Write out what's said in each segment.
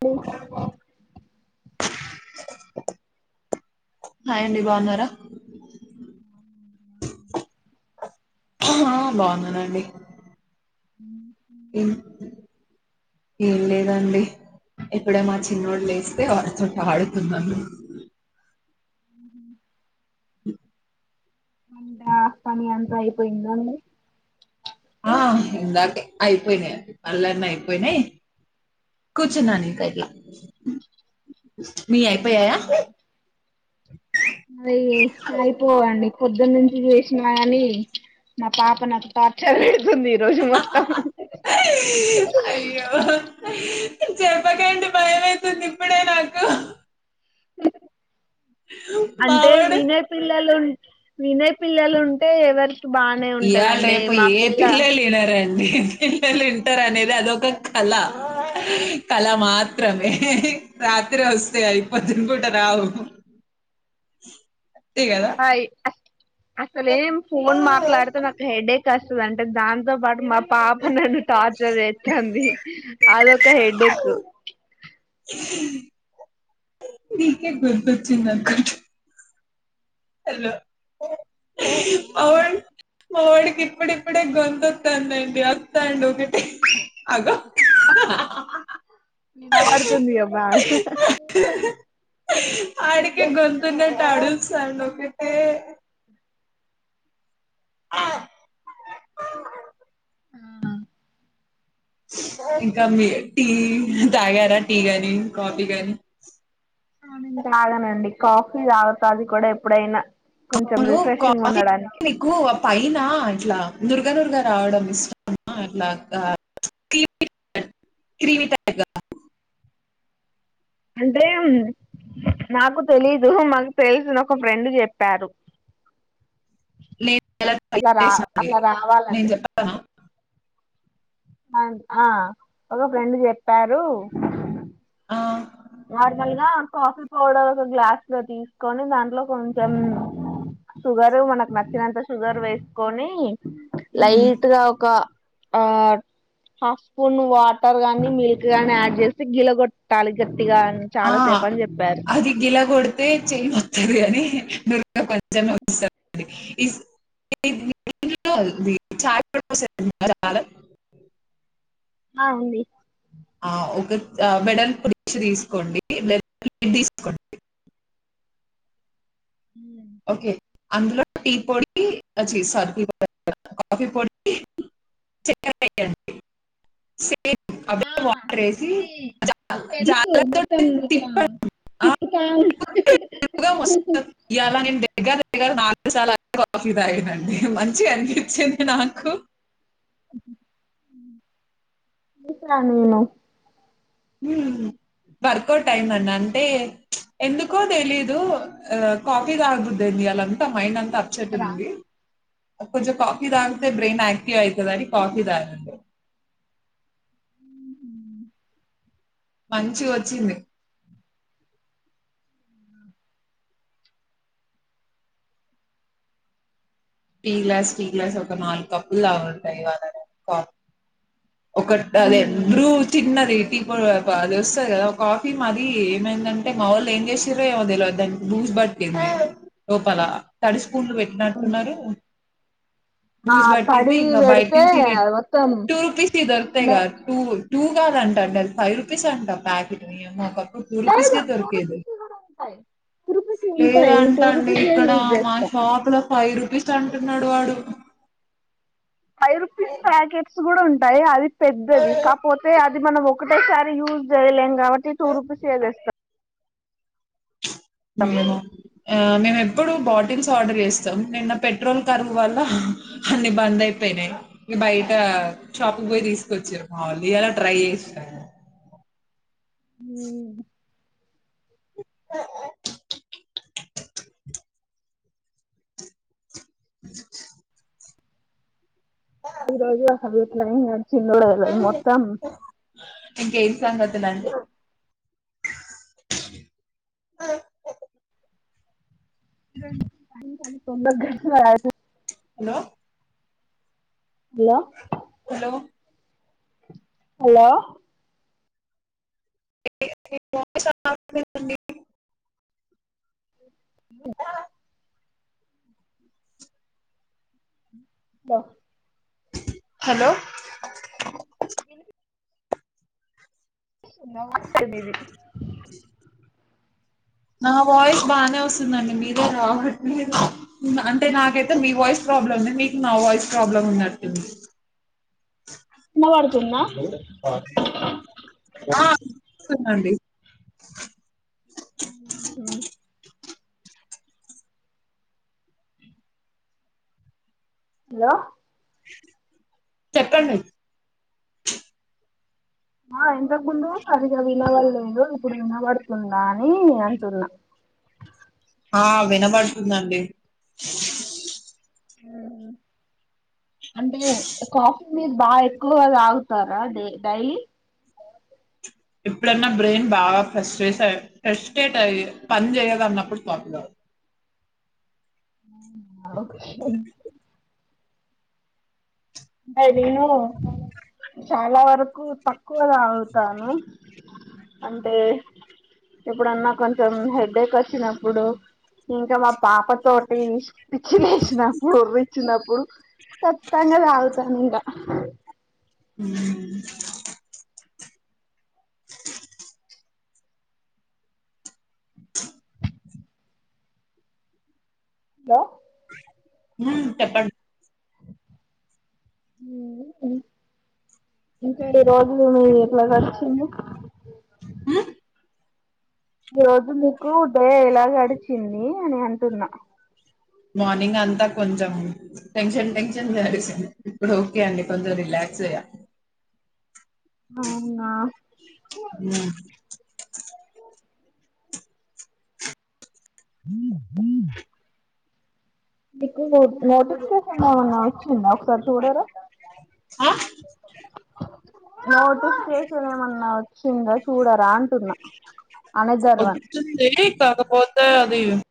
ఓ hi అండి బాగున్నారా ఆ బాగున్నానండి ఏం ఏం లేదండి ఇప్పుడే మా చిన్నోడు లేస్తే వాడి తోటి ఆడుతున్నాను. [inaudible] [inaudible] అంటే ఆ పని అంతా అయిపోయిందా అండి ఆ ఇందాకే అయిపోయినాయి అండి పన్లన్నీ అయిపోయినాయి కూర్చున్నాను ఇంకా ఇట్లా మీవి అయిపోయాయా. నావి అయిపోవండి పొద్దున్నుంచి చేసినా కాని నా పాప నాకు టార్చర్ పెడు అయ్యో చెప్పకండి భయమైతుంది ఇప్పుడే నాకు [inaudible] అంటే మావోడు వినే పిల్లలు వినే పిల్లలు ఉంటే ఎవరి ఇయ్యాల రేపు ఏ పిల్లలు వినరండి పిల్లలు పుట్టర్ అనేది అదొక కళ కళ మాత్రమే రాత్రి వస్తాయి అవి పొద్దున్న పూట రావు. అంతే హ్మ్మ్ కదా హాయ్ అసలేం ఫోన్ మాట్లాడతె నాకు హెడ్ఎక్ కష్టమంటే అంటే దాంతో పాటు మా పాప నన్ను టార్చర్ చేత్తాంది అదొక హెడ్ఏక్ మీకే గుర్తొచ్చిందనుకుంట హలో అగో మావాడికి ఇప్పుడిప్పుడే గొంతొత్తాంది అండి వత్తాండు ఒకటే. అగో వినబడుతుంది ఇగ బాగా ఆడికే గొంతున్నట్టు అడు సౌండ్ ఒకటే. ఇంకా మీ టీ తాగారా. టీ గాని, కాఫీ గాని. ఆ నేను తాగనండి. కాఫీ తాగుతా అది కూడా ఎప్పుడైనా. కొంచెం అప్పులు రిఫ్రెషింగ్ కాఫీ ఉండడానికి నీకు ఆ పైన ఇట్లా దుర్గ నుర్గా రావడం ఇష్టమా అట్లా క్రీమీ క్రీమి టైప్గా. అంటే నాకు తెలీదు. మాకు తెలిసిన ఒక ఫ్రెండ్ చెప్పారు. అట్లా రా [inaudible] అట్లా రావాలంటే నేను చెప్పనా. అ ఆ ఒక ఫ్రెండ్ చెప్పారు ఆ, నార్మల్గా కాఫీ పౌడర్ ఒక గ్లాస్ లో తీసుకొని, దాంట్లో కొంచెం షుగర్ మనకు నచ్చినంత షుగర్ వేసుకొని ఉమ్, లైట్గా ఒక ఆ హాఫ్ స్పూన్ వాటర్ గాని, మిల్క్ గాని యాడ్ చేసి గిల కొట్టాలి. ఆ అది గిలా కొడితే చేయినొత్తది కాని దుర్గకు వచ్చని వచ్చేసింది [inaudible] చాయి వడ పోసేది ఉందా జాలర్. ఆ ఉంది. ఆ ఒక వెడల్పు డిశ్ తీసుకొండి. వెడల్పుది తీసుకోండి. ఉ ఓకే అందులో టీ పొడికి ఆ చి సారీ టీ పొడి [inaudible] కాఫీ పొడికి చెక్కర [inaudible] ఆ ఇది తెలుసు జాలతో మొత్తం ఐట్ల తిప్పండి ఆ, తిప్పుతా తిప్పుగా వస్తుంది ఇవాళ నేను దగ్గర దగ్గర నాలుగుసార్లు కాఫీ తాగానండి. మంచిగా అనిపించింది నాకు. హుహు హు ఉ వర్కౌట్ అయ్యింది అండి. అంటే చ్ ఎందుకో తెలీదు కాఫీ తాగ బుద్ధి అయ్యింది ఈయలంతా మైండ్ అం ంతా అప్సెట్ ఉంది. కొంచం కాఫీ దాగితే బ్రెన్ ఆక్టివ్ అయితది అని. కాఫీ తాగండి. మంచిగా వచ్చింది. టీ గ్లాస్ టీ గ్లాస్ ఒక నాలుగు కప్పులుదాగుంటా ఇవ్వాళ నేను కాఫీ. ఒక్కటి అదే బృ చిన్నది. టీ పొడి అది వస్తది కదా, కాఫీ మాది ఏమైందంటే మా వోళ్ళు ఏం చేసిర్రో ఏమో తెలవది దానికి బూజు పట్టింది లోపల తడిసి. స్పూన్లు పెట్టినట్టున్నరు. ఆ బూజు పట్టింది. తడి ఇంగా బయట పెడితే నుంచి ఇవి మొత్తం టూ రూపీస్ వి దొరుకుతయి మే కదా టూ టూ కాదంట అండి ఫైవ్ రూపీస్ అంటా ప్యాకెట్. ఓయమ్మో ఒకప్పుడు టూ రూపీస్ లేదు కే టూ దొరికేది. రూపీస్ వి కూడా ఉంటాయి టూ రూపీస్ వి ఉంటాయి నేను లేదంట టూ అండి రూపీస్ వే ఇక్కడ యూజ్ మా చేస్తా షాప్ లో ఫైవ్ రూపీస్ అంటున్నాడు వాడు. ఫైవ్ రూపీస్ పాకెట్స్ స్ కూడా ఉంటాయి అది పెద్దది కాపోతే యాడ్ ఇది మనం ఒకటోసారి యూజ్ చేయలేం. కాబట్టి టూ రూపీస్ ఏజెస్తం ఎమో హే మేమ్ ఎప్పుడు బాటిల్స్ ఆర్డర్ చేస్తాం. నిన్న పెట్రోల్ కరువు వల్ల అన్ని బంద్ అయిపోయిన్నాయ్. బయట షాప్ కు బోయి తీసుకొచ్చిరు. మావోలు ఇయలా ట్రై చేశానా. ఈ రోజు [unintelligible] చినుడైలే మొత్తం ఇంకేం సంగతులు అండి [inaudible] తొందర్ గాడస్ రాయదు. హలో హలో ఓ హలో డి డి మీ వాయిస్ అర్ధం అవుతలేదండి. ము లో హలో వినిపి సునా వాయిసే నీది నా వాయిస్ బానే వస్తుందండి. మీదే రావట్లేదు. అంటే నాకైతే మీ వాయిస్ ప్రాబ్లమే, మీకు నా వాయిస్ ప్రాబ్లమ్ ఉన్నట్టుంది. వినబడుతుందా ఆ తునండి హుంహు హలో చెప్పండి ఆ ఇంతక ముందు సరిగా వినవడలేదు. ఇప్పుడు వినపడుతుందా ఈ అంటున్నా. ఆ వినబడుతుందండి. హుహు అంటే ఏ కాఫీ మీరు బా ఎక్కువగా తాగుతారా. డే డైయి ఎప్పుడన్నా బ్రెయిన్ బాగా ప్రేషెష్ ఆయ్ ఫ్రస్టేట్ అయి పని చేయదు. అన్నప్పుడు కాఫీ తాగ్ అవునా ఒకే అంటే నేను చాలా వరకు తక్కువ తాగుతాను. అంటే ఎప్పుడన్నా కొంచం హెడ్డేక్ వచ్చినప్పుడు, ఇంకా మా పాప తోటి పిచ్చి లేచినప్పుడు ఒర్రిచ్చినప్పు ఊ కచ్చితంగా తాగు తంగ ఊ లో ఊ చెప్పండి ఇంకా ఈ రోజులు నువ్వు ఎట్లా గడిచింది హ ఈ రోజు మీకు డే ఎలా గడిచింది అని అంటున్నా మార్నింగ్ అంతా కొంచెం టెన్షన్ టెన్షన్ గడిసిం ఇప్పుడు ఓకే అండి కొంచెం రిలాక్స్ అయ్యా అవునా మ్మ్. మీకు నోట్ నోటిఫికేషన్ ఏమన్నా వచ్చిందా ఒకసారి చూడరా ఆ [inaudible] నోటిఫికేషన్ ఏమన్నా వో సింద చూడరా అంటున్నా అనదర్ వన్ వచ్చింది కాకపోతే దెయ్యం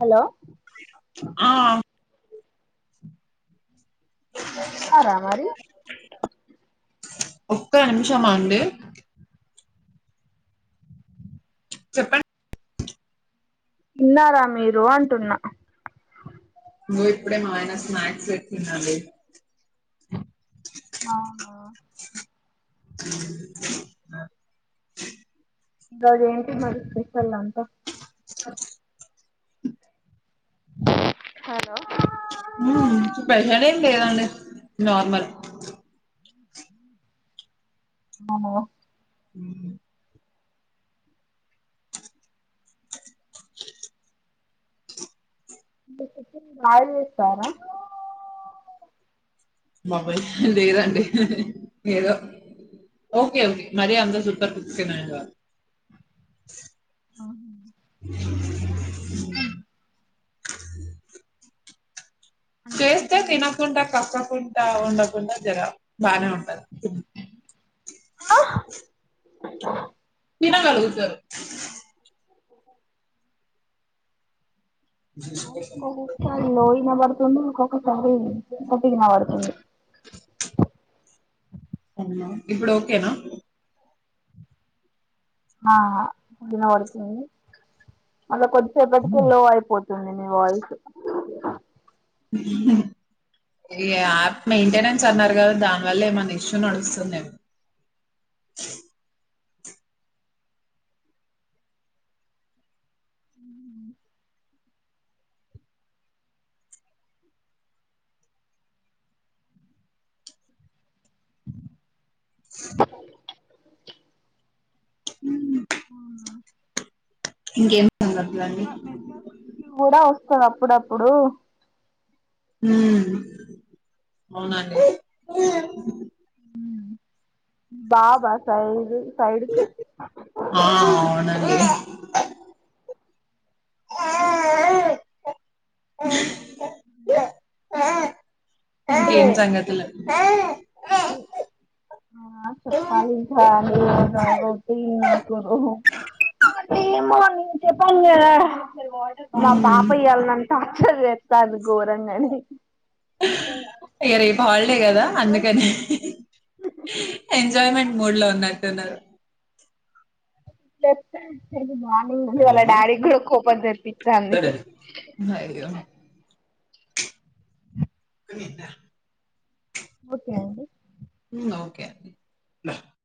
హలో ఆ న్నారా మరి ఒక్క నిమిషం అండి చెప్పం ఇన్నారా మీరు అంటున్న [unintelligible] ఇప్పుడే మాఆయనా స్నాక్స్ తెచ్చిండ అండి అవునా ఈరోజు ఏంటి మరి స్పెషల్ అంత హలో ఉమ్ స్పెషల్ ఏం లేదండి నార్మల్ ఆ ఉ కాయల్ తెస్తారా బాబోయ్ లేదండి ఏదో ఓకే ఓకే మరి అంత [unintelligible] చేస్తే తినకుంట కక్కకుంట ఉండకు కుండ జర బానే ఉంటది అ వినగలుగుతరు [inaudible] ది లోడింగని [unintelligible] రెండు ఒకొక్కసారి గట్టిగినవడుతుంది [unintelligible] అవునా ఇప్పుడు ఓకేనా ఆ వినవడుతుంది మళ్ళ కొద్దిసేపటికే లో అయిపోతుంది నీ వాయిసు [inaudible] ఏ ఆప్ మెయింటెనెన్స్ అన్నారు గదా దానివలేమన్న ఇష్యూ నడుస్తుందేమో ఉ [inaudible] ఊ ఇంకేం సంగతులు అండి నెట్వర్క్ నెట్వర్క్ కి గూడా స్తరు అప్పుడప్పుడూ ఊ అవునండి [unintelligible] బాబ సైది ఆ అవునండి [inaudible] [unintelligible] అ [inaudible] [unintelligible] ఇంకేమ్ సంగతులండి [unintelligible] ఆ చెప్పాలింక [unintelligible] రొటీను చెప్పాన్ గదా మా పాప ఇయ్యాల్ నన్ను టార్చర్ చే త్తాంది గోరంగని ఇగ రేప్ హాల్డే గదా అందుకనే ఎంజాయ్మెంట్ మూడ్ లో ఉన్న ట్టున్నరు [unintelligible] మార్నింగ్ నుండి వాళ్ళ డాడీగ్గుడ కోపం తెప్పిత్తాంది అయ్యో [unintelligible] ఓకే అండి ఊ ఓకే అండి